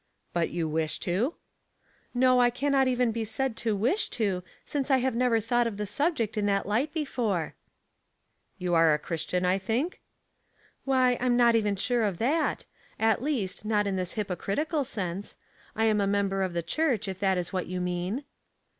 *' But you wish to ?"" No, I cannot even be said to wish to, since I have never thought of the subject in that light before." The Force of ArgumenL 235 " You are a Christian, I think ?"" Why, I am not even sure of that. At least not in this hypocritical sense. I am a member of the church, if that is what you mean."